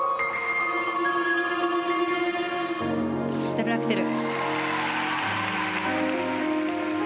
ダブルアクセル。